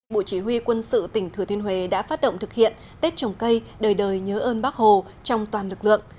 bộ chỉ huy quân sự tỉnh thừa thiên huế đã phát động thực hiện tết trồng cây đời đời nhớ ơn bác hồ trong toàn lực lượng